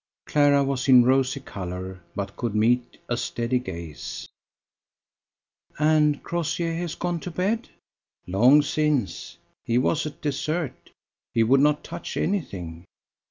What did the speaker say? Clara was in rosy colour, but could meet a steady gaze. "And Crossjay has gone to bed?" "Long since. He was at dessert. He would not touch anything."